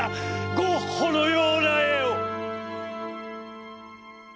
ゴッホのような絵を」。